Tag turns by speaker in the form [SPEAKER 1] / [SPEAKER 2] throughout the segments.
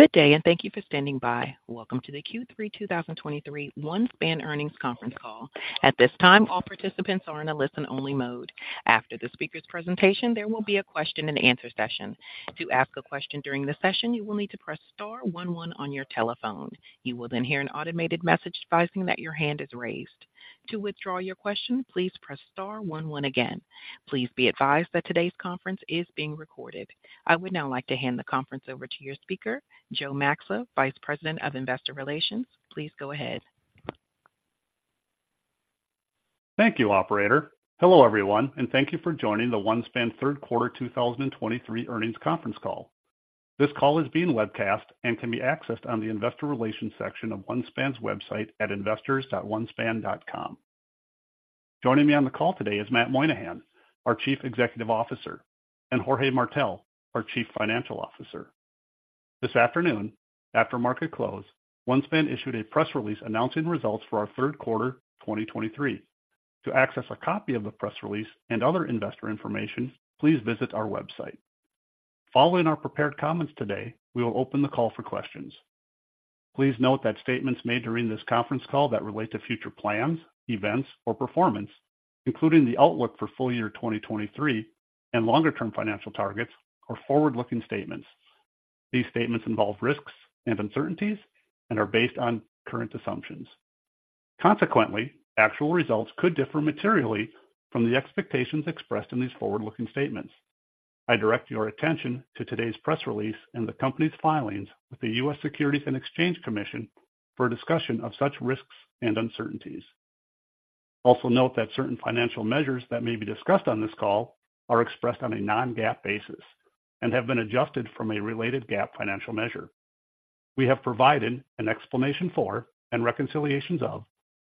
[SPEAKER 1] Good day, and thank you for standing by. Welcome to the Q3 2023 OneSpan Earnings Conference Call. At this time, all participants are in a listen-only mode. After the speaker's presentation, there will be a question-and-answer session. To ask a question during the session, you will need to press star one one on your telephone. You will then hear an automated message advising that your hand is raised. To withdraw your question, please press star one one again. Please be advised that today's conference is being recorded. I would now like to hand the conference over to your speaker, Joe Maxa, Vice President of Investor Relations. Please go ahead.
[SPEAKER 2] Thank you, operator. Hello, everyone, and thank you for joining the OneSpan third quarter 2023 earnings conference call. This call is being webcast and can be accessed on the Investor Relations section of OneSpan's website at investors.onespan.com. Joining me on the call today is Matt Moynahan, our Chief Executive Officer, and Jorge Martell, our Chief Financial Officer. This afternoon, after market close, OneSpan issued a press release announcing results for our third quarter 2023. To access a copy of the press release and other investor information, please visit our website. Following our prepared comments today, we will open the call for questions. Please note that statements made during this conference call that relate to future plans, events, or performance, including the outlook for full year 2023 and longer-term financial targets, are forward-looking statements. These statements involve risks and uncertainties and are based on current assumptions. Consequently, actual results could differ materially from the expectations expressed in these forward-looking statements. I direct your attention to today's press release and the company's filings with the U.S. Securities and Exchange Commission for a discussion of such risks and uncertainties. Also note that certain financial measures that may be discussed on this call are expressed on a non-GAAP basis and have been adjusted from a related GAAP financial measure. We have provided an explanation for and reconciliations of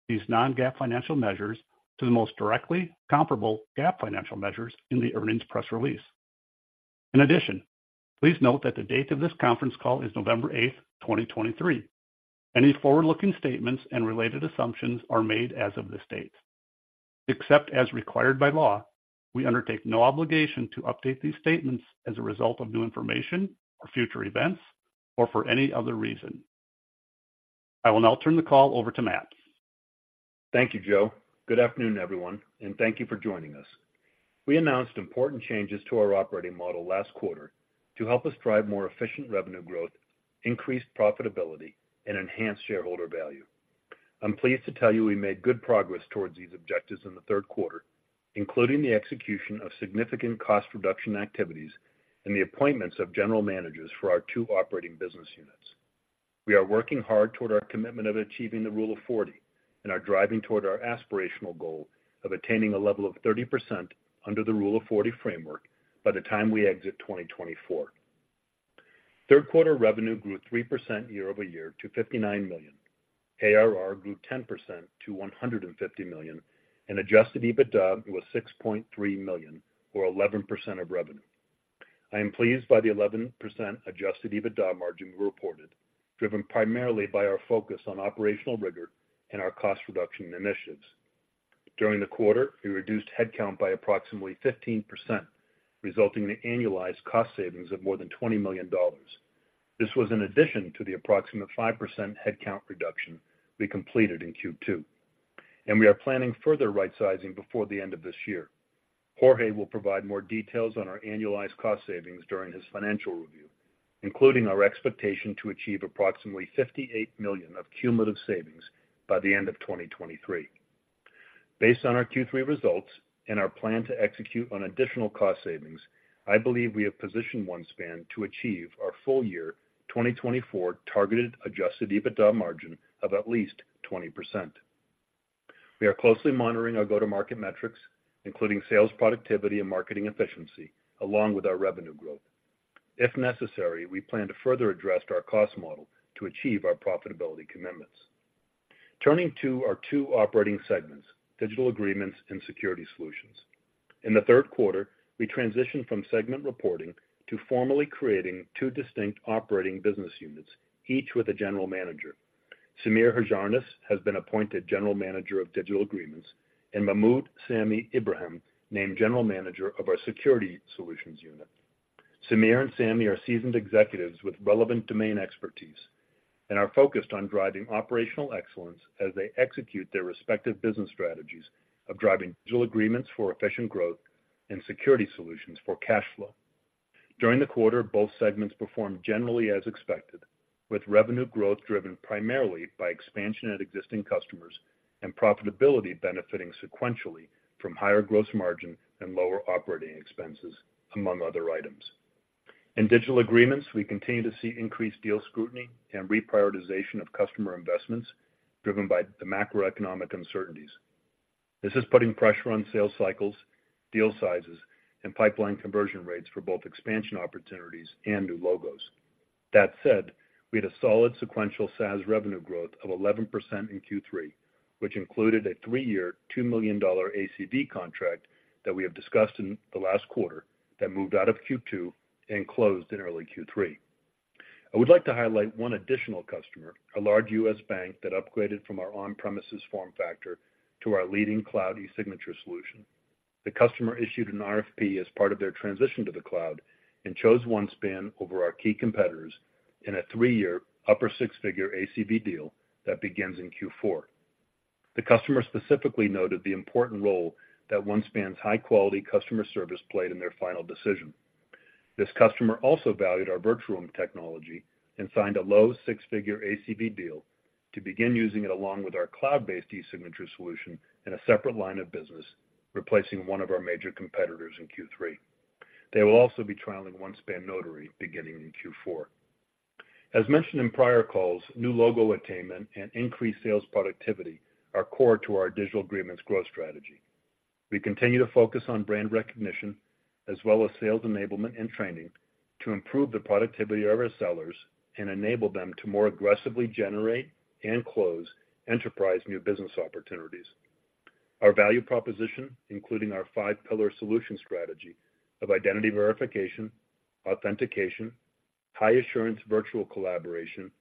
[SPEAKER 2] these non-GAAP financial measures to the most directly comparable GAAP financial measures in the earnings press release. In addition, please note that the date of this conference call is November 8, 2023. Any forward-looking statements and related assumptions are made as of this date. Except as required by law, we undertake no obligation to update these statements as a result of new information or future events or for any other reason. I will now turn the call over to Matt.
[SPEAKER 3] Thank you, Joe. Good afternoon, everyone, and thank you for joining us. We announced important changes to our operating model last quarter to help us drive more efficient revenue growth, increased profitability, and enhance shareholder value. I'm pleased to tell you we made good progress towards these objectives in the third quarter, including the execution of significant cost reduction activities and the appointments of general managers for our two operating business units. We are working hard toward our commitment of achieving the rule of 40 and are driving toward our aspirational goal of attaining a level of 30% under the rule of 40 framework by the time we exit 2024. Third quarter revenue grew 3% year-over-year to $59 million. ARR grew 10% to $150 million, and adjusted EBITDA was $6.3 million, or 11% of revenue. I am pleased by the 11% adjusted EBITDA margin we reported, driven primarily by our focus on operational rigor and our cost reduction initiatives. During the quarter, we reduced headcount by approximately 15%, resulting in annualized cost savings of more than $20 million. This was in addition to the approximate 5% headcount reduction we completed in Q2, and we are planning further rightsizing before the end of this year. Jorge will provide more details on our annualized cost savings during his financial review, including our expectation to achieve approximately $58 million of cumulative savings by the end of 2023. Based on our Q3 results and our plan to execute on additional cost savings, I believe we have positioned OneSpan to achieve our full year 2024 targeted adjusted EBITDA margin of at least 20%. We are closely monitoring our go-to-market metrics, including sales, productivity, and marketing efficiency, along with our revenue growth. If necessary, we plan to further address our cost model to achieve our profitability commitments. Turning to our two operating segments, Digital Agreements and Security Solutions. In the third quarter, we transitioned from segment reporting to formally creating two distinct operating business units, each with a general manager. Sameer Hajarnis has been appointed General Manager of Digital Agreements, and Sammy Nassar named General Manager of our Security Solutions unit. Sameer and Sammy are seasoned executives with relevant domain expertise and are focused on driving operational excellence as they execute their respective business strategies of driving digital agreements for efficient growth and security solutions for cash flow. During the quarter, both segments performed generally as expected, with revenue growth driven primarily by expansion at existing customers and profitability benefiting sequentially from higher gross margin and lower operating expenses, among other items. In digital agreements, we continue to see increased deal scrutiny and reprioritization of customer investments, driven by the macroeconomic uncertainties. This is putting pressure on sales cycles, deal sizes, and pipeline conversion rates for both expansion opportunities and new logos. That said, we had a solid sequential SaaS revenue growth of 11% in Q3, which included a three-year, $2 million ACV contract that we have discussed in the last quarter that moved out of Q2 and closed in early Q3. I would like to highlight one additional customer, a large U.S. bank, that upgraded from our on-premises form factor to our leading cloud e-signature solution.... The customer issued an RFP as part of their transition to the cloud and chose OneSpan over our key competitors in a 3-year, upper six-figure ACV deal that begins in Q4. The customer specifically noted the important role that OneSpan's high-quality customer service played in their final decision. This customer also valued our virtual room technology and signed a low six-figure ACV deal to begin using it along with our cloud-based eSignature solution in a separate line of business, replacing one of our major competitors in Q3. They will also be trialing OneSpan Notary beginning in Q4. As mentioned in prior calls, new logo attainment and increased sales productivity are core to our digital agreements growth strategy. We continue to focus on brand recognition, as well as sales enablement and training, to improve the productivity of our sellers and enable them to more aggressively generate and close enterprise new business opportunities. Our value proposition, including our five-pillar solution strategy of identity verification, authentication, high assurance virtual collaboration,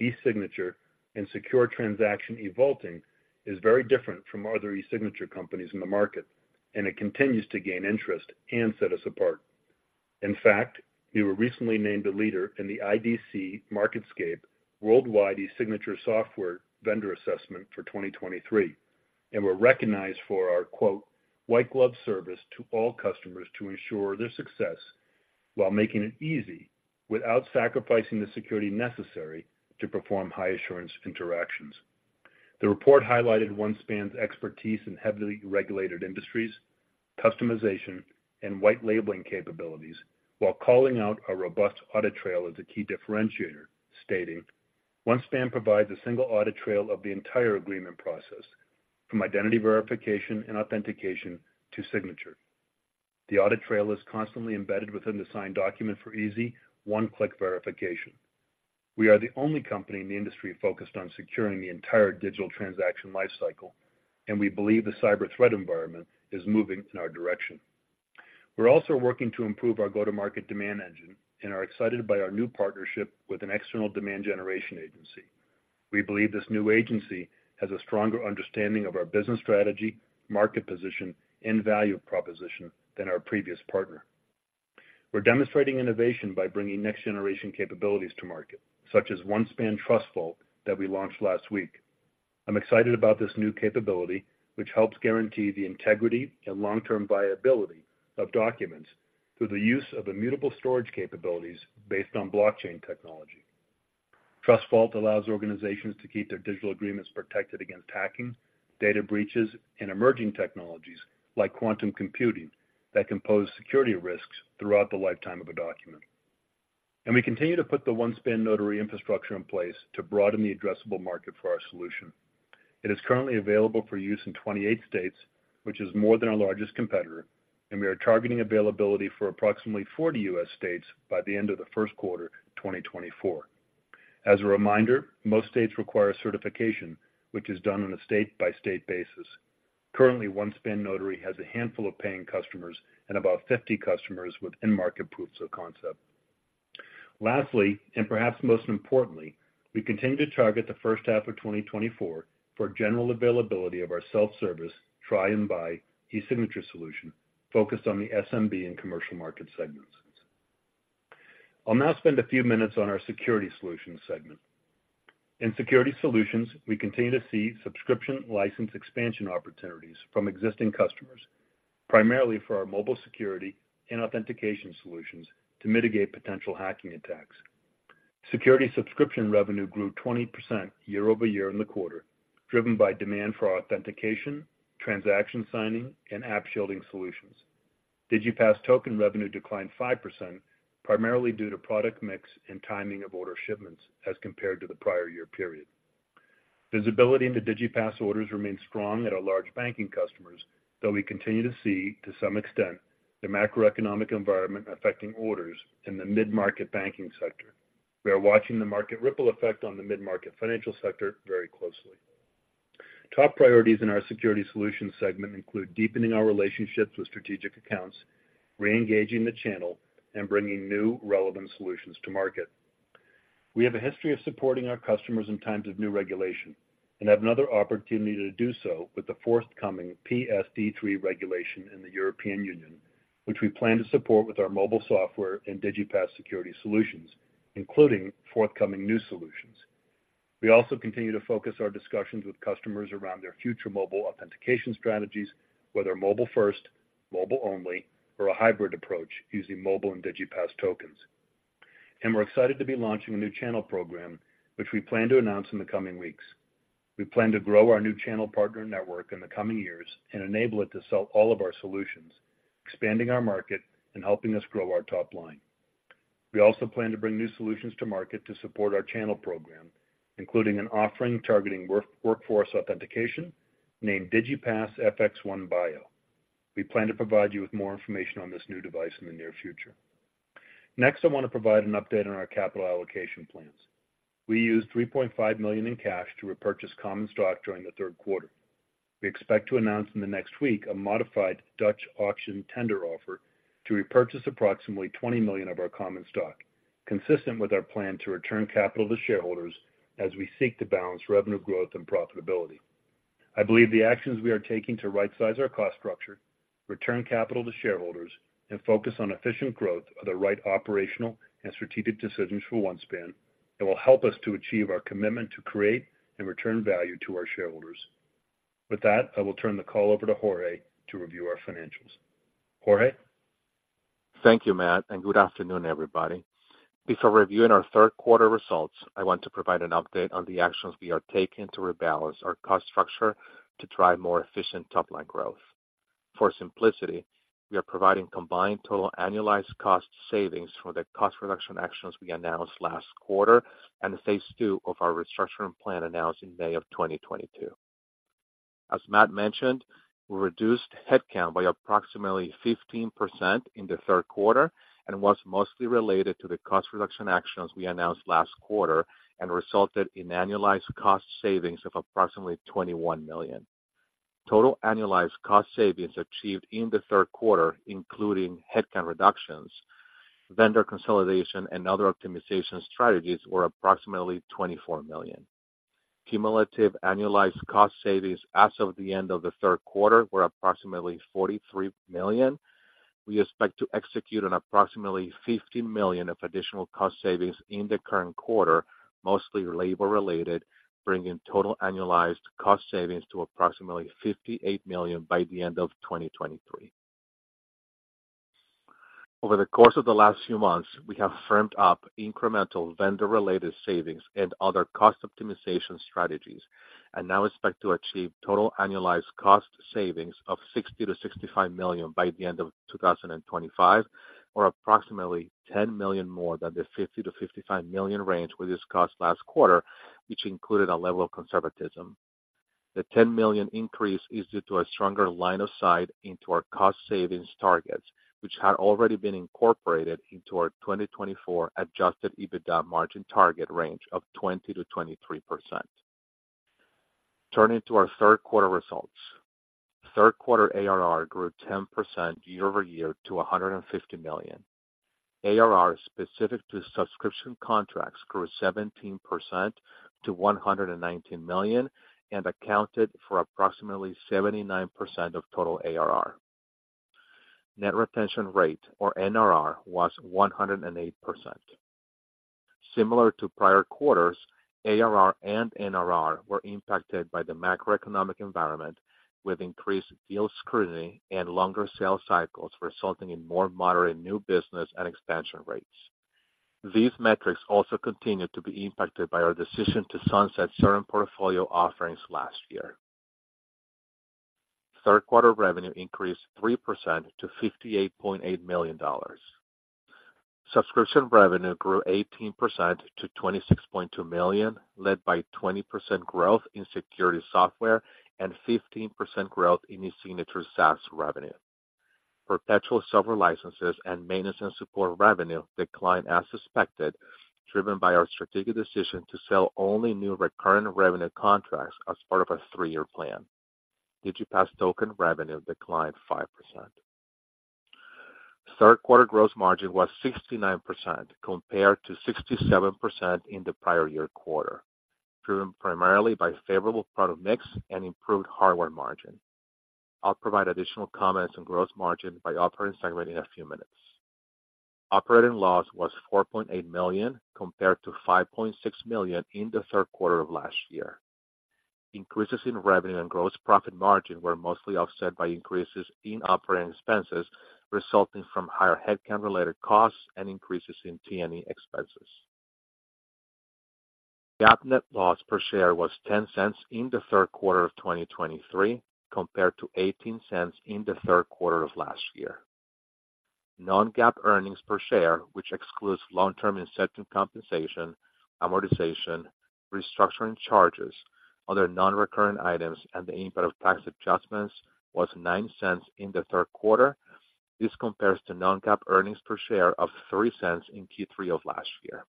[SPEAKER 3] e-signature, and secure transaction e-vaulting, is very different from other e-signature companies in the market, and it continues to gain interest and set us apart. In fact, we were recently named a leader in the IDC MarketScape Worldwide eSignature Software Vendor Assessment for 2023, and were recognized for our, quote, "White glove service to all customers to ensure their success while making it easy, without sacrificing the security necessary to perform high assurance interactions." The report highlighted OneSpan's expertise in heavily regulated industries, customization, and white labeling capabilities, while calling out our robust audit trail as a key differentiator, stating, "OneSpan provides a single audit trail of the entire agreement process, from identity verification and authentication to signature. The audit trail is constantly embedded within the signed document for easy one-click verification." We are the only company in the industry focused on securing the entire digital transaction life cycle, and we believe the cyber threat environment is moving in our direction. We're also working to improve our go-to-market demand engine and are excited by our new partnership with an external demand generation agency. We believe this new agency has a stronger understanding of our business strategy, market position, and value proposition than our previous partner. We're demonstrating innovation by bringing next-generation capabilities to market, such as OneSpan TrustVault, that we launched last week. I'm excited about this new capability, which helps guarantee the integrity and long-term viability of documents through the use of immutable storage capabilities based on blockchain technology. TrustVault allows organizations to keep their digital agreements protected against hacking, data breaches, and emerging technologies like quantum computing, that can pose security risks throughout the lifetime of a document. We continue to put the OneSpan Notary infrastructure in place to broaden the addressable market for our solution. It is currently available for use in 28 states, which is more than our largest competitor, and we are targeting availability for approximately 40 U.S. states by the end of the first quarter, 2024. As a reminder, most states require certification, which is done on a state-by-state basis. Currently, OneSpan Notary has a handful of paying customers and about 50 customers with in-market proofs of concept. Lastly, and perhaps most importantly, we continue to target the first half of 2024 for general availability of our self-service try and buy eSignature solution, focused on the SMB and commercial market segments. I'll now spend a few minutes on our Security Solutions segment. In Security Solutions, we continue to see subscription license expansion opportunities from existing customers, primarily for our mobile security and authentication solutions to mitigate potential hacking attacks. Security subscription revenue grew 20% year-over-year in the quarter, driven by demand for authentication, transaction signing, and App Shielding solutions. Digipass token revenue declined 5%, primarily due to product mix and timing of order shipments as compared to the prior year period. Visibility into Digipass orders remains strong at our large banking customers, though we continue to see, to some extent, the macroeconomic environment affecting orders in the mid-market banking sector. We are watching the market ripple effect on the mid-market financial sector very closely. Top priorities in our Security Solutions segment include deepening our relationships with strategic accounts, reengaging the channel, and bringing new relevant solutions to market. We have a history of supporting our customers in times of new regulation and have another opportunity to do so with the forthcoming PSD3 regulation in the European Union, which we plan to support with our mobile software and DIGIPASS security solutions, including forthcoming new solutions. We also continue to focus our discussions with customers around their future mobile authentication strategies, whether mobile first, mobile only, or a hybrid approach using mobile and DIGIPASS tokens. We're excited to be launching a new channel program, which we plan to announce in the coming weeks. We plan to grow our new channel partner network in the coming years and enable it to sell all of our solutions, expanding our market and helping us grow our top line. We also plan to bring new solutions to market to support our channel program, including an offering targeting workforce authentication named Digipass FXO1 BIO. We plan to provide you with more information on this new device in the near future. Next, I want to provide an update on our capital allocation plans. We used $3.5 million in cash to repurchase common stock during the third quarter. We expect to announce in the next week a modified Dutch auction tender offer to repurchase approximately 20 million of our common stock... consistent with our plan to return capital to shareholders as we seek to balance revenue growth and profitability. I believe the actions we are taking to rightsize our cost structure, return capital to shareholders, and focus on efficient growth are the right operational and strategic decisions for OneSpan, that will help us to achieve our commitment to create and return value to our shareholders. With that, I will turn the call over to Jorge to review our financials. Jorge?
[SPEAKER 4] Thank you, Matt, and good afternoon, everybody. Before reviewing our third quarter results, I want to provide an update on the actions we are taking to rebalance our cost structure to drive more efficient top-line growth. For simplicity, we are providing combined total annualized cost savings for the cost reduction actions we announced last quarter, and phase two of our restructuring plan announced in May of 2022. As Matt mentioned, we reduced headcount by approximately 15% in the third quarter, and was mostly related to the cost reduction actions we announced last quarter, and resulted in annualized cost savings of approximately $21 million. Total annualized cost savings achieved in the third quarter, including headcount reductions, vendor consolidation, and other optimization strategies, were approximately $24 million. Cumulative annualized cost savings as of the end of the third quarter were approximately $43 million. We expect to execute on approximately $50 million of additional cost savings in the current quarter, mostly labor-related, bringing total annualized cost savings to approximately $58 million by the end of 2023. Over the course of the last few months, we have firmed up incremental vendor-related savings and other cost optimization strategies, and now expect to achieve total annualized cost savings of $60 million-$65 million by the end of 2025, or approximately $10 million more than the $50 million-$55 million range we discussed last quarter, which included a level of conservatism. The $10 million increase is due to a stronger line of sight into our cost savings targets, which had already been incorporated into our 2024 Adjusted EBITDA margin target range of 20%-23%. Turning to our third quarter results. Third quarter ARR grew 10% year-over-year to 150 million. ARR, specific to subscription contracts, grew 17% to 119 million and accounted for approximately 79% of total ARR. Net retention rate, or NRR, was 108%. Similar to prior quarters, ARR and NRR were impacted by the macroeconomic environment, with increased deal scrutiny and longer sales cycles, resulting in more moderate new business and expansion rates. These metrics also continued to be impacted by our decision to sunset certain portfolio offerings last year. Third quarter revenue increased 3% to $58.8 million. Subscription revenue grew 18% to $26.2 million, led by 20% growth in security software and 15% growth in eSignature SaaS revenue. Perpetual software licenses and maintenance and support revenue declined as suspected, driven by our strategic decision to sell only new recurring revenue contracts as part of a three-year plan. DIGIPASS token revenue declined 5%. Third quarter gross margin was 69%, compared to 67% in the prior year quarter, driven primarily by favorable product mix and improved hardware margin. I'll provide additional comments on gross margin by operating segment in a few minutes. Operating loss was $4.8 million, compared to $5.6 million in the third quarter of last year. Increases in revenue and gross profit margin were mostly offset by increases in operating expenses, resulting from higher headcount-related costs and increases in T&E expenses. GAAP net loss per share was $0.10 in the third quarter of 2023, compared to $0.18 in the third quarter of last year. Non-GAAP earnings per share, which excludes long-term incentive compensation, amortization, restructuring charges, other non-recurring items, and the impact of tax adjustments, was $0.09 in the third quarter. This compares to non-GAAP earnings per share of $0.03 in Q3 of last year.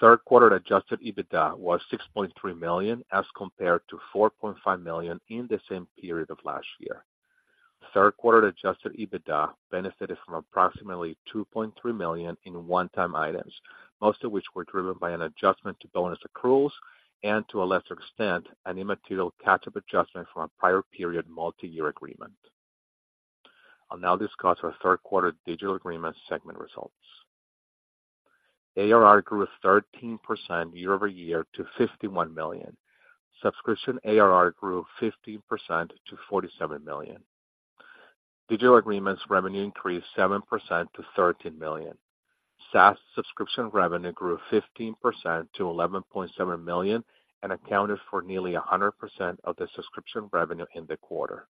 [SPEAKER 4] Third quarter adjusted EBITDA was $6.3 million, as compared to $4.5 million in the same period of last year. Third quarter adjusted EBITDA benefited from approximately $2.3 million in one-time items, most of which were driven by an adjustment to bonus accruals and, to a lesser extent, an immaterial catch-up adjustment from a prior period multi-year agreement. I'll now discuss our third quarter digital agreement segment results. ARR grew 13% year-over-year to $51 million. Subscription ARR grew 15% to $47 million. Digital agreements revenue increased 7% to $13 million. SaaS subscription revenue grew 15% to $11.7 million and accounted for nearly 100% of the subscription revenue in the quarter.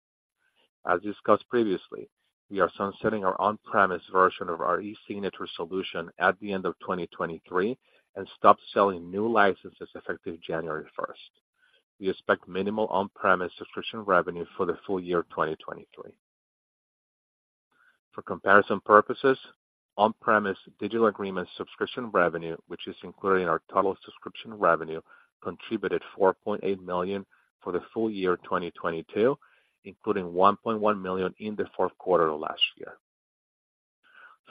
[SPEAKER 4] As discussed previously, we are sunsetting our on-premise version of our eSignature solution at the end of 2023 and stopped selling new licenses effective January 1. We expect minimal on-premise subscription revenue for the full year 2023. For comparison purposes, on-premise digital agreement subscription revenue, which is included in our total subscription revenue, contributed $4.8 million for the full year 2022, including $1.1 million in the fourth quarter of last year.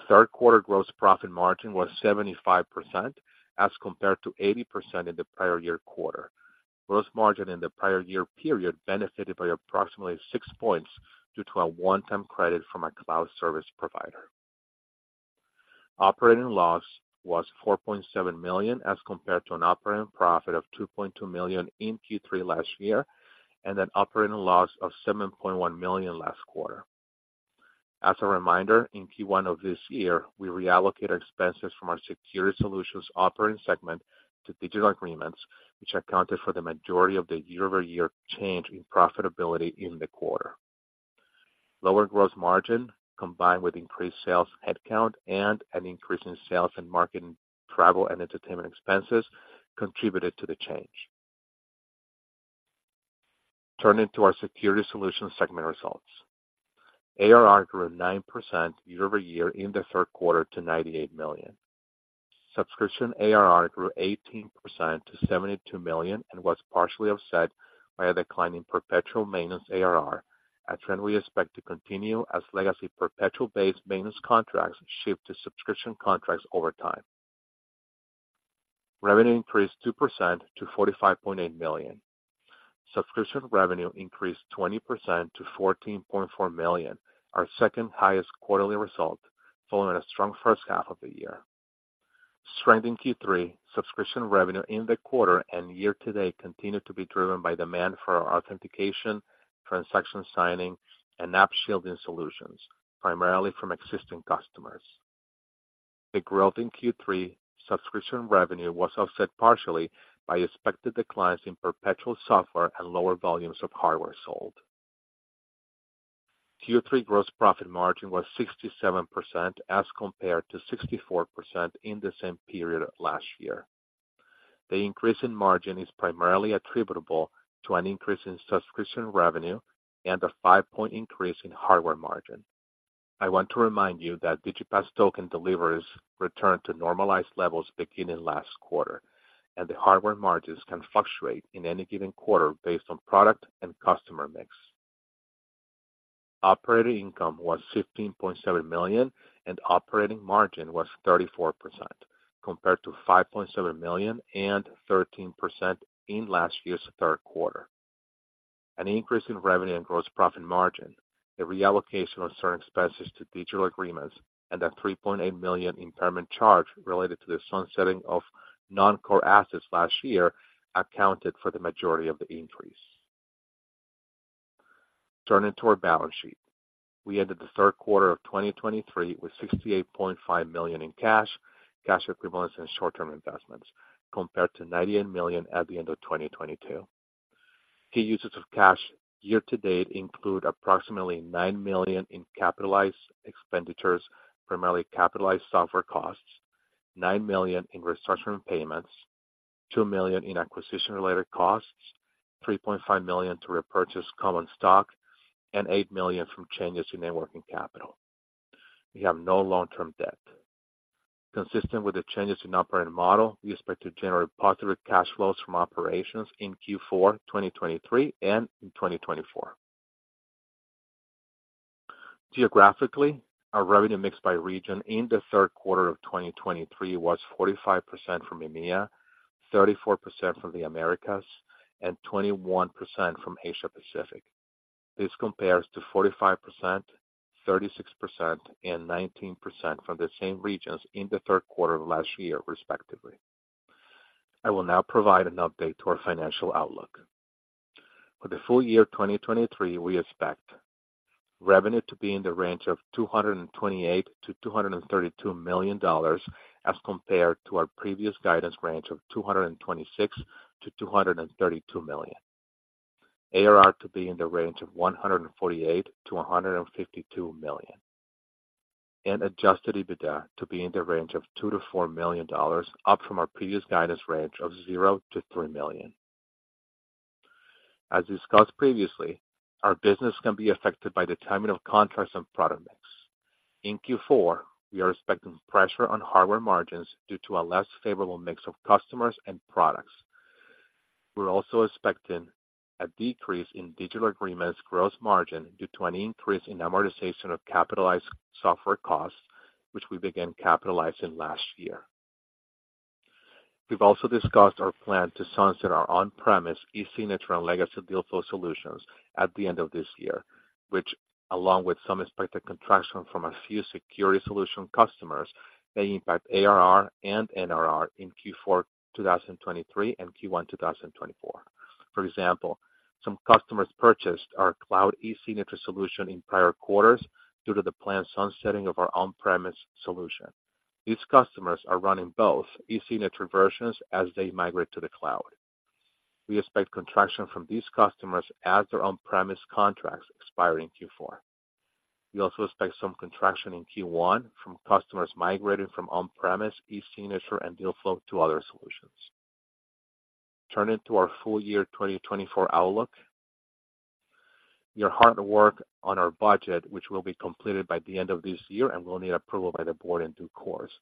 [SPEAKER 4] Third quarter gross profit margin was 75%, as compared to 80% in the prior year quarter. Gross margin in the prior year period benefited by approximately six points due to a one-time credit from a cloud service provider. Operating loss was $4.7 million, as compared to an operating profit of $2.2 million in Q3 last year, and an operating loss of $7.1 million last quarter. As a reminder, in Q1 of this year, we reallocated expenses from our security solutions operating segment to digital agreements, which accounted for the majority of the year-over-year change in profitability in the quarter. Lower gross margin, combined with increased sales headcount and an increase in sales and marketing, travel, and entertainment expenses, contributed to the change. Turning to our security solutions segment results. ARR grew 9% year over year in the third quarter to $98 million. Subscription ARR grew 18% to $72 million and was partially offset by a decline in perpetual maintenance ARR, a trend we expect to continue as legacy perpetual-based maintenance contracts shift to subscription contracts over time. Revenue increased 2% to $45.8 million. Subscription revenue increased 20% to $14.4 million, our second-highest quarterly result following a strong first half of the year. Strength in Q3, subscription revenue in the quarter and year to date continued to be driven by demand for our authentication, transaction signing, and App Shielding solutions, primarily from existing customers. The growth in Q3 subscription revenue was offset partially by expected declines in perpetual software and lower volumes of hardware sold. Q3 gross profit margin was 67%, as compared to 64% in the same period last year. The increase in margin is primarily attributable to an increase in subscription revenue and a 5-point increase in hardware margin. I want to remind you that DIGIPASS token deliveries returned to normalized levels beginning last quarter, and the hardware margins can fluctuate in any given quarter based on product and customer mix. Operating income was $15.7 million, and operating margin was 34%, compared to $5.7 million and 13% in last year's third quarter. An increase in revenue and gross profit margin, the reallocation of certain expenses to digital agreements, and a $3.8 million impairment charge related to the sunsetting of non-core assets last year accounted for the majority of the increase. Turning to our balance sheet. We ended the third quarter of 2023 with $68.5 million in cash, cash equivalents, and short-term investments, compared to $98 million at the end of 2022. Key uses of cash year to date include approximately $9 million in capitalized expenditures, primarily capitalized software costs, $9 million in restructuring payments, $2 million in acquisition-related costs, $3.5 million to repurchase common stock, and $8 million from changes in net working capital. We have no long-term debt. Consistent with the changes in operating model, we expect to generate positive cash flows from operations in Q4, 2023 and in 2024. Geographically, our revenue mix by region in the third quarter of 2023 was 45% from EMEA, 34% from the Americas, and 21% from Asia Pacific. This compares to 45%, 36%, and 19% from the same regions in the third quarter of last year, respectively. I will now provide an update to our financial outlook. For the full year 2023, we expect revenue to be in the range of $228 million-$232 million, as compared to our previous guidance range of $226 million-$232 million. ARR to be in the range of $148 million-$152 million, and Adjusted EBITDA to be in the range of $2 million-$4 million, up from our previous guidance range of $0 million-$3 million. As discussed previously, our business can be affected by the timing of contracts and product mix. In Q4, we are expecting pressure on hardware margins due to a less favorable mix of customers and products. We're also expecting a decrease in digital agreements gross margin due to an increase in amortization of capitalized software costs, which we began capitalizing last year. We've also discussed our plan to sunset our on-premise eSignature and legacy Dealflo solutions at the end of this year, which, along with some expected contraction from a few security solution customers, may impact ARR and NRR in Q4 2023 and Q1 2024. For example, some customers purchased our cloud eSignature solution in prior quarters due to the planned sunsetting of our on-premise solution. These customers are running both eSignature versions as they migrate to the cloud. We expect contraction from these customers as their on-premise contracts expire in Q4. We also expect some contraction in Q1 from customers migrating from on-premise eSignature and Dealflo to other solutions. Turning to our full year 2024 outlook. Your hard work on our budget, which will be completed by the end of this year, and we'll need approval by the board in due course.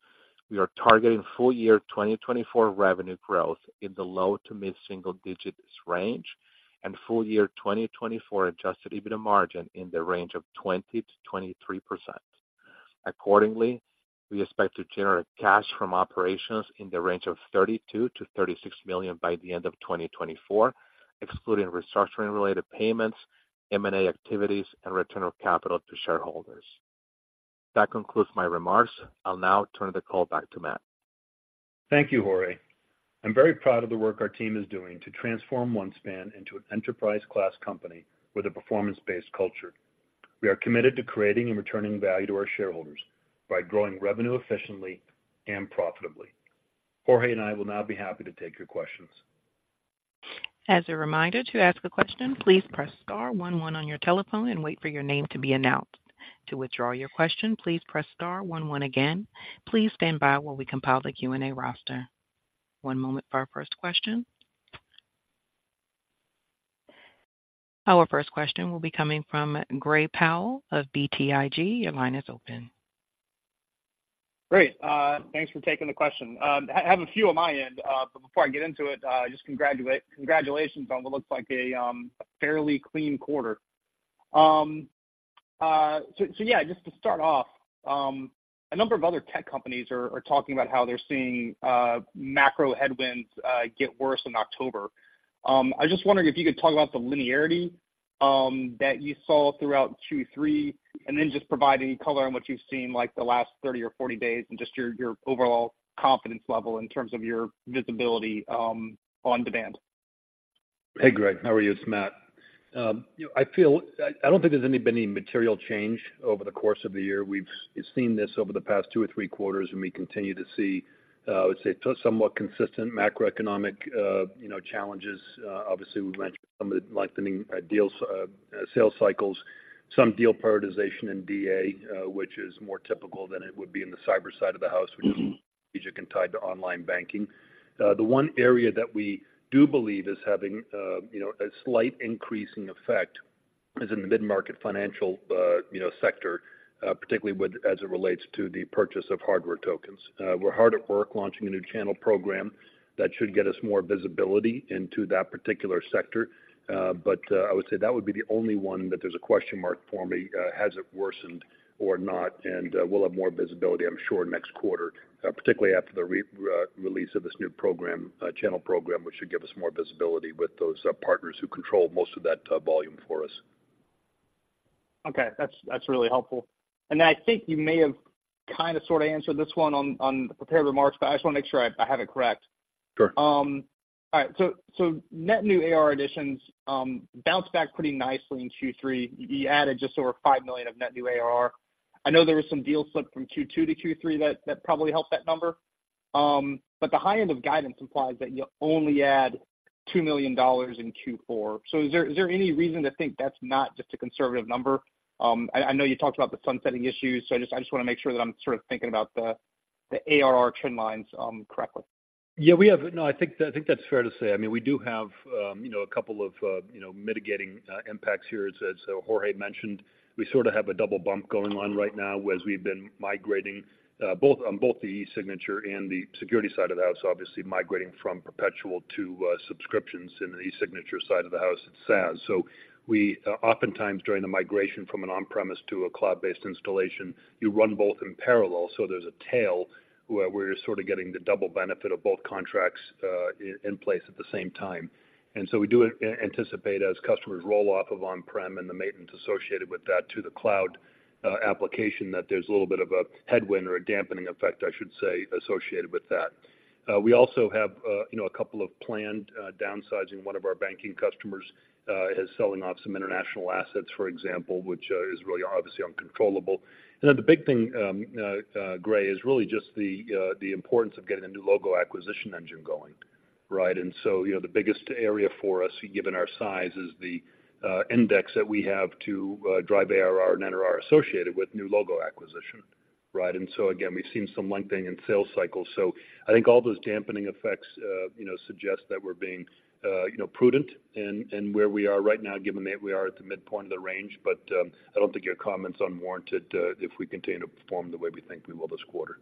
[SPEAKER 4] We are targeting full year 2024 revenue growth in the low- to mid-single digits range, and full year 2024 Adjusted EBITDA margin in the range of 20%-23%. Accordingly, we expect to generate cash from operations in the range of $32 million-$36 million by the end of 2024, excluding restructuring-related payments, M&A activities, and return of capital to shareholders. That concludes my remarks. I'll now turn the call back to Matt.
[SPEAKER 3] Thank you, Jorge. I'm very proud of the work our team is doing to transform OneSpan into an enterprise-class company with a performance-based culture. We are committed to creating and returning value to our shareholders by growing revenue efficiently and profitably. Jorge and I will now be happy to take your questions.
[SPEAKER 1] As a reminder, to ask a question, please press star one one on your telephone and wait for your name to be announced. To withdraw your question, please press star one one again. Please stand by while we compile the Q&A roster. One moment for our first question. Our first question will be coming from Gray Powell of BTIG. Your line is open.
[SPEAKER 5] Great. Thanks for taking the question. I have a few on my end, but before I get into it, just congratulate- congratulations on what looks like a fairly clean quarter. So yeah, just to start off, a number of other tech companies are talking about how they're seeing macro headwinds get worse in October. I was just wondering if you could talk about the linearity that you saw throughout Q3, and then just provide any color on what you've seen, like, the last 30days or 40 days, and just your overall confidence level in terms of your visibility on demand.
[SPEAKER 3] Hey, Gray, how are you? It's Matt. You know, I don't think there's been any material change over the course of the year. We've seen this over the past 2 or 3 quarters, and we continue to see, I would say, somewhat consistent macroeconomic, you know, challenges. Obviously, we've mentioned some of the lengthening deals, sales cycles, some deal prioritization in DA, which is more typical than it would be in the cyber side of the house-
[SPEAKER 5] Mm-hmm...
[SPEAKER 3] which is tied to online banking. The one area that we do believe is having, you know, a slight increasing effect is in the mid-market financial, you know, sector, particularly with, as it relates to the purchase of hardware tokens. We're hard at work launching a new channel program that should get us more visibility into that particular sector. But, I would say that would be the only one that there's a question mark for me, has it worsened or not? And, we'll have more visibility, I'm sure, next quarter, particularly after the release of this new program, channel program, which should give us more visibility with those, partners who control most of that, volume for us.
[SPEAKER 5] Okay, that's really helpful. I think you may have kind of, sort of, answered this one on the prepared remarks, but I just wanna make sure I have it correct.
[SPEAKER 3] Sure.
[SPEAKER 5] All right, so, so net new ARR additions bounced back pretty nicely in Q3. You added just over $5 million of net new ARR. I know there was some deal slip from Q2 to Q3 that, that probably helped that number. But the high end of guidance implies that you only add $2 million in Q4. So is there, is there any reason to think that's not just a conservative number? I know you talked about the sunsetting issues, so I just, I just wanna make sure that I'm sort of thinking about the, the ARR trend lines correctly.
[SPEAKER 3] Yeah, we have... No, I think, I think that's fair to say. I mean, we do have, you know, a couple of, you know, mitigating impacts here. As, as Jorge mentioned, we sort of have a double bump going on right now as we've been migrating, both, on both the e-signature and the security side of the house, obviously migrating from perpetual to, subscriptions in the e-signature side of the house at SaaS. So we, oftentimes, during the migration from an on-premise to a cloud-based installation, you run both in parallel, so there's a tail, where we're sort of getting the double benefit of both contracts, in place at the same time. And so we do anticipate as customers roll off of on-prem and the maintenance associated with that to the cloud application, that there's a little bit of a headwind or a dampening effect, I should say, associated with that. We also have, you know, a couple of planned downsizing. One of our banking customers is selling off some international assets, for example, which is really obviously uncontrollable. And then the big thing, Gray, is really just the importance of getting a new logo acquisition engine going, right? And so, you know, the biggest area for us, given our size, is the index that we have to drive ARR and NRR associated with new logo acquisition, right? And so again, we've seen some lengthening in sales cycles. So I think all those dampening effects, you know, suggest that we're being, you know, prudent in where we are right now, given that we are at the midpoint of the range. But, I don't think your comment's unwarranted, if we continue to perform the way we think we will this quarter.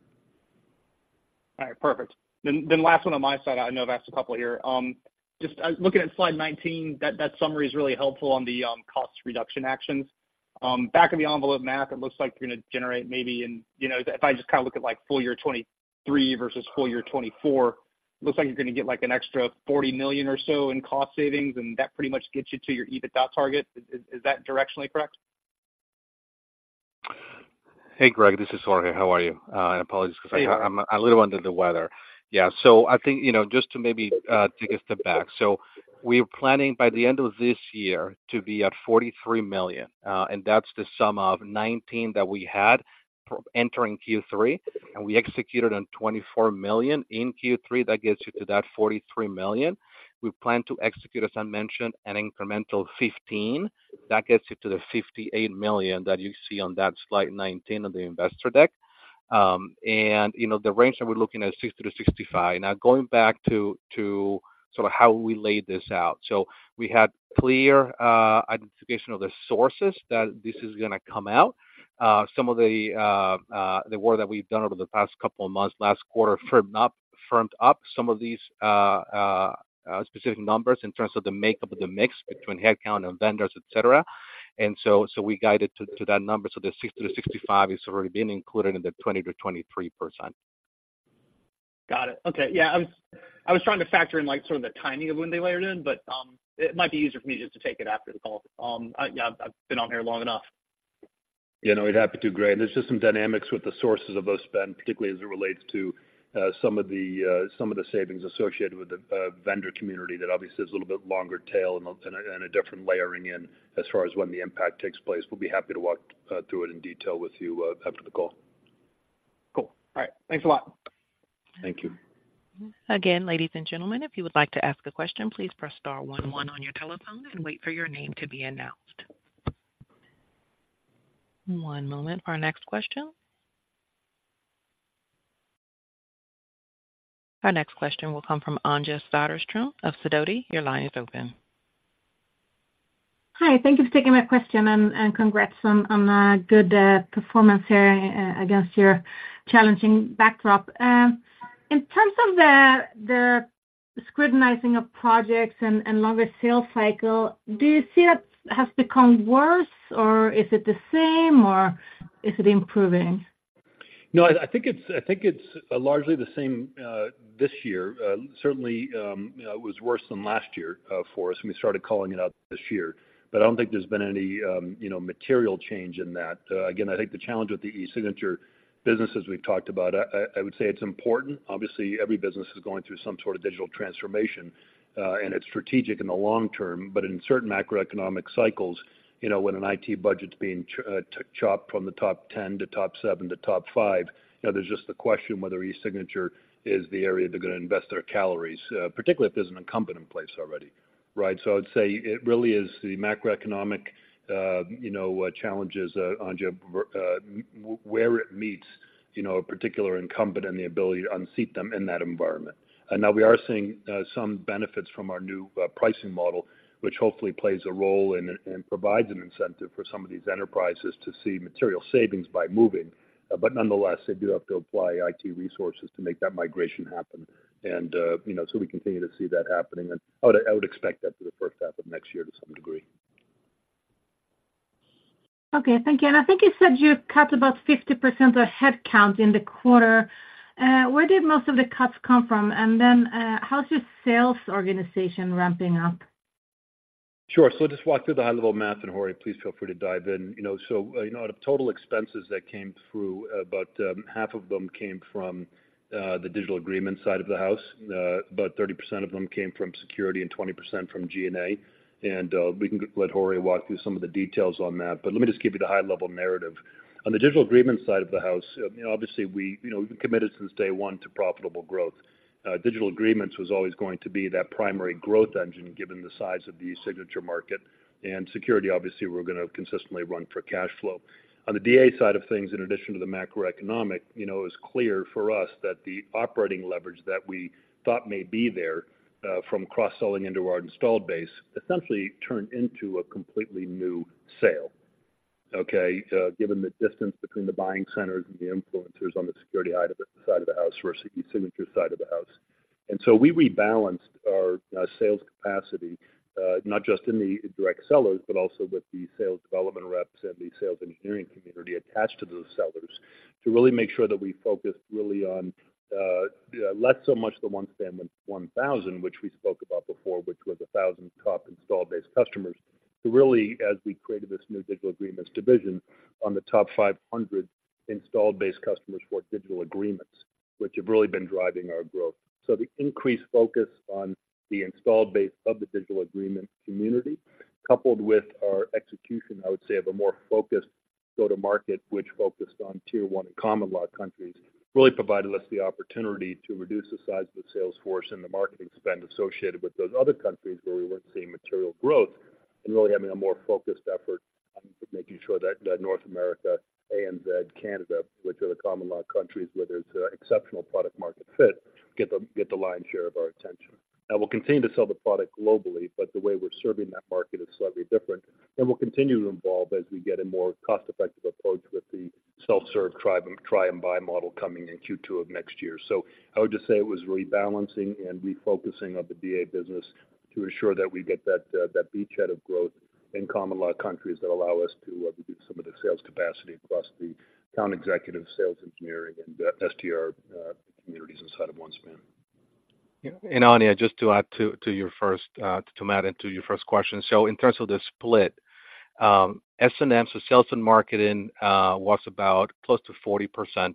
[SPEAKER 5] All right. Perfect. Then last one on my side, I know I've asked a couple here. Just looking at slide 19, that summary is really helpful on the cost reduction actions. Back of the envelope, Matt, it looks like you're gonna generate maybe in... You know, if I just kind of look at, like, full year 2023 versus full year 2024, looks like you're gonna get, like, an extra $40 million or so in cost savings, and that pretty much gets you to your EBITDA target. Is that directionally correct?
[SPEAKER 4] Hey, Greg, this is Jorge. How are you? And apologies-
[SPEAKER 5] Hey...
[SPEAKER 4] because I'm a little under the weather. Yeah, so I think, you know, just to maybe take a step back. So we're planning by the end of this year to be at $43 million, and that's the sum of 19 that we had entering Q3, and we executed on $24 million in Q3. That gets you to that $43 million. We plan to execute, as I mentioned, an incremental 15. That gets you to the $58 million that you see on that slide 19 on the investor deck. And you know, the range that we're looking at is $60 million-$65 million. Now, going back to sort of how we laid this out. So we had clear identification of the sources that this is gonna come out. Some of the work that we've done over the past couple of months, last quarter, firmed up some of these specific numbers in terms of the makeup of the mix between headcount and vendors, et cetera. So we guided to that number. The 60-65 is already been included in the 20%-23%.
[SPEAKER 5] Got it. Okay. Yeah, I was trying to factor in, like, sort of the timing of when they layered in, but it might be easier for me just to take it after the call. I, yeah, I've been on here long enough.
[SPEAKER 3] Yeah, no, we'd be happy to. Great. And there's just some dynamics with the sources of those spend, particularly as it relates to some of the savings associated with the vendor community. That obviously is a little bit longer tail and a different layering in as far as when the impact takes place. We'll be happy to walk through it in detail with you after the call.
[SPEAKER 5] Cool. All right, thanks a lot.
[SPEAKER 3] Thank you.
[SPEAKER 1] Again, ladies and gentlemen, if you would like to ask a question, please press star one one on your telephone and wait for your name to be announced. One moment for our next question. Our next question will come from Anja Söderström of Sidoti. Your line is open.
[SPEAKER 6] Hi, thank you for taking my question, and congrats on a good performance here against your challenging backdrop. In terms of the scrutinizing of projects and longer sales cycle, do you see that has become worse, or is it the same, or is it improving?
[SPEAKER 3] No, I think it's largely the same this year. Certainly, it was worse than last year for us, and we started calling it out this year. But I don't think there's been any, you know, material change in that. Again, I think the challenge with the eSignature business, as we've talked about, I would say it's important. Obviously, every business is going through some sort of digital transformation, and it's strategic in the long term, but in certain macroeconomic cycles, you know, when an IT budget's being chopped from the top ten to top seven to top five, you know, there's just the question whether eSignature is the area they're going to invest their calories, particularly if there's an incumbent in place already. Right? So I'd say it really is the macroeconomic, you know, challenges, Anja, where it meets, you know, a particular incumbent and the ability to unseat them in that environment. And now we are seeing some benefits from our new pricing model, which hopefully plays a role and provides an incentive for some of these enterprises to see material savings by moving. But nonetheless, they do have to apply IT resources to make that migration happen. And you know, so we continue to see that happening, and I would expect that for the first half of next year to some degree.
[SPEAKER 6] Okay, thank you. I think you said you cut about 50% of headcount in the quarter. Where did most of the cuts come from? And then, how's your sales organization ramping up?
[SPEAKER 3] Sure. So I'll just walk through the high-level math, and Jorge, please feel free to dive in. You know, so, you know, out of total expenses that came through, about half of them came from the digital agreement side of the house, about 30% of them came from security and 20% from G&A. And we can let Jorge walk through some of the details on that, but let me just give you the high-level narrative. On the digital agreement side of the house, you know, obviously we, you know, we've been committed since day one to profitable growth. Digital agreements was always going to be that primary growth engine, given the size of the eSignature market, and security, obviously, we're gonna consistently run for cash flow. On the DA side of things, in addition to the macroeconomic, you know, it was clear for us that the operating leverage that we thought may be there, from cross-selling into our installed base, essentially turned into a completely new sale, okay? Given the distance between the buying centers and the influencers on the security side of the house versus the eSignature side of the house. And so we rebalanced our sales capacity, not just in the direct sellers, but also with the sales development reps and the sales engineering community attached to those sellers, to really make sure that we focused really on less so much the OneSpan 1,000, which we spoke about before, which was 1,000 top installed base customers. So really, as we created this new digital agreements division on the top 500 installed base customers for digital agreements, which have really been driving our growth. So the increased focus on the installed base of the digital agreement community, coupled with our execution, I would say, of a more focused go-to-market, which focused on tier one and common law countries, really provided us the opportunity to reduce the size of the sales force and the marketing spend associated with those other countries where we weren't seeing material growth, and really having a more focused effort on making sure that North America, ANZ, Canada, which are the common law countries where there's exceptional product-market fit, get the lion's share of our attention. Now, we'll continue to sell the product globally, but the way we're serving that market is slightly different. And we'll continue to evolve as we get a more cost-effective approach with the self-serve try, try and buy model coming in Q2 of next year. So I would just say it was rebalancing and refocusing of the DA business to ensure that we get that, that beachhead of growth in common law countries that allow us to, reduce some of the sales capacity across the account executive sales, engineering, and, SDR, communities inside of OneSpan.
[SPEAKER 4] Yeah. Anja, just to add to your first question. So in terms of the split, S&M, so sales and marketing, was about close to 40%,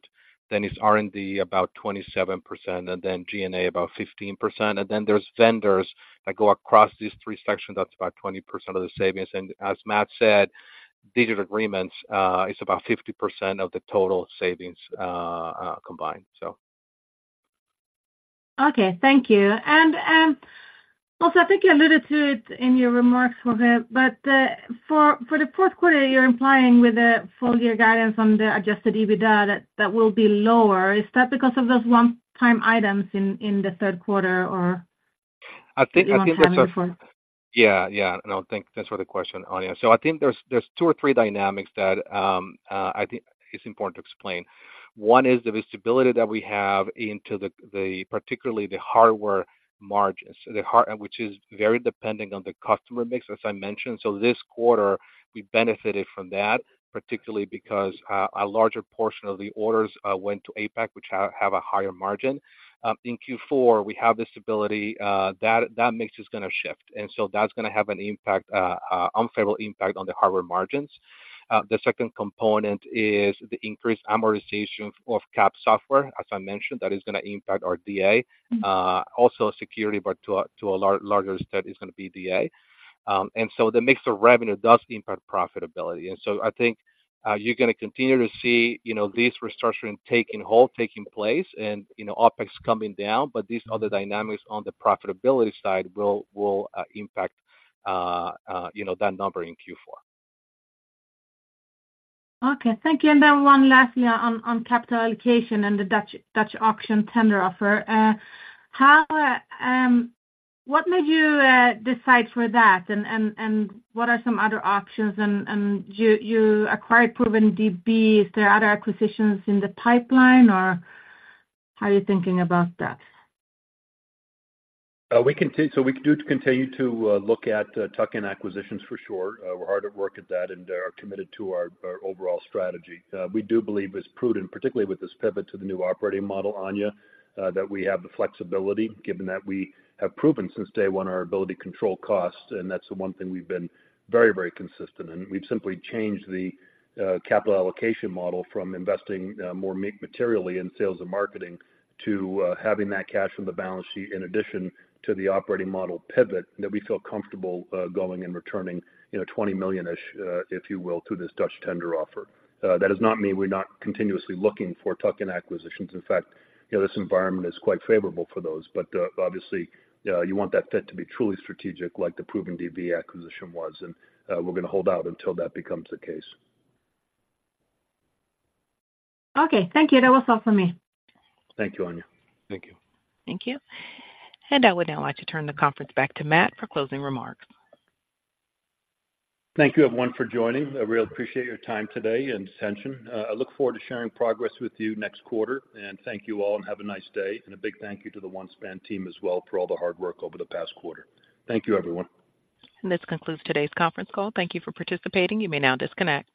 [SPEAKER 4] then it's R&D, about 27%, and then G&A, about 15%. And then there's vendors that go across these three sections, that's about 20% of the savings. And as Matt said, digital agreements is about 50% of the total savings, combined, so....
[SPEAKER 6] Okay, thank you. And, also, I think you alluded to it in your remarks, Jorge, but, for the fourth quarter, you're implying with the full year guidance on the Adjusted EBITDA, that will be lower. Is that because of those one-time items in the third quarter, or?
[SPEAKER 4] I think there's
[SPEAKER 6] One time before.
[SPEAKER 4] Yeah, yeah. No, thanks for the question, Anja. So I think there's two or three dynamics that I think it's important to explain. One is the visibility that we have into the particularly the hardware margins, which is very dependent on the customer mix, as I mentioned. So this quarter, we benefited from that, particularly because a larger portion of the orders went to APAC, which have a higher margin. In Q4, we have this ability that that mix is going to shift, and so that's going to have an impact, unfavorable impact on the hardware margins. The second component is the increased amortization of capitalized software. As I mentioned, that is going to impact our DA.
[SPEAKER 6] Mm-hmm.
[SPEAKER 4] Also security, but to a larger extent, is going to be DA. And so the mix of revenue does impact profitability. And so I think, you're going to continue to see, you know, this restructure taking hold, taking place and, you know, OpEx coming down. But these other dynamics on the profitability side will impact, you know, that number in Q4.
[SPEAKER 6] Okay, thank you. And then one lastly on capital allocation and the Dutch auction tender offer. What made you decide for that? And what are some other options? And you acquired ProvenDB. Is there other acquisitions in the pipeline, or how are you thinking about that?
[SPEAKER 3] We continue, so we do continue to look at tuck-in acquisitions for sure. We're hard at work at that and are committed to our overall strategy. We do believe it's prudent, particularly with this pivot to the new operating model, Anja, that we have the flexibility, given that we have proven since day one our ability to control costs, and that's the one thing we've been very, very consistent in. We've simply changed the capital allocation model from investing more materially in sales and marketing to having that cash on the balance sheet, in addition to the operating model pivot, that we feel comfortable going and returning, you know, $20 million-ish, if you will, to this Dutch tender offer. That does not mean we're not continuously looking for tuck-in acquisitions. In fact, you know, this environment is quite favorable for those, but, obviously, you want that fit to be truly strategic, like the ProvenDB acquisition was, and, we're going to hold out until that becomes the case.
[SPEAKER 6] Okay, thank you. That was all for me.
[SPEAKER 3] Thank you, Anja.
[SPEAKER 4] Thank you.
[SPEAKER 1] Thank you. I would now like to turn the conference back to Matt for closing remarks.
[SPEAKER 3] Thank you, everyone, for joining. I really appreciate your time today and attention. I look forward to sharing progress with you next quarter, and thank you all, and have a nice day. A big thank you to the OneSpan team as well, for all the hard work over the past quarter. Thank you, everyone.
[SPEAKER 1] This concludes today's conference call. Thank you for participating. You may now disconnect.